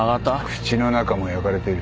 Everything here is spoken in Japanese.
口の中も焼かれている。